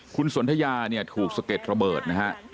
คุณสนทยาเนี่ยถูกสะเก็ดระเบิดนะฮะ